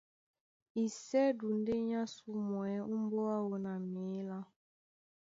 Isɛ́du ndé a ásumwɛ́ ómbóá áō na mǐlá,